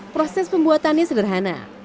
proses pembuatannya sederhana